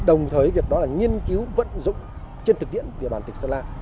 đồng thời việc đó là nghiên cứu vận dụng trên thực tiễn về bản tỉnh sơn la